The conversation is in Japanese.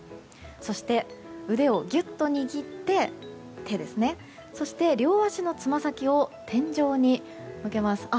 そして、手をぎゅっと握ってそして、両足のつま先を天井に向けます。